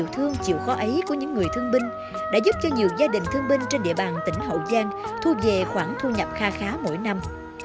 thương chịu khó ấy của những người thương binh đã giúp cho nhiều gia đình thương binh trên địa bàn tỉnh hậu giang thu về khoản thu nhập kha khá mỗi năm